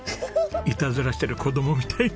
いたずらしてる子どもみたい。